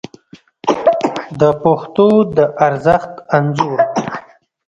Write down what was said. د پښتو د ارزښت انځور